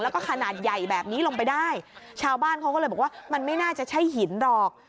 แล้วก็ขนาดใหญ่แบบนี้ลงไปได้ชาวบ้านเขาก็เลยบอกว่ามันไม่น่าจะใช่หินหรอก